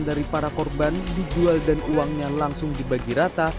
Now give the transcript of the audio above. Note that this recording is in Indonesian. dari para korban dijual dan uangnya langsung dibagi rata